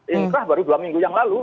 inkrah baru dua minggu yang lalu